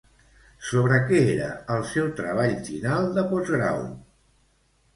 Sobre què era el seu treball final de postgrau?